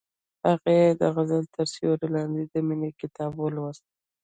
هغې د غزل تر سیوري لاندې د مینې کتاب ولوست.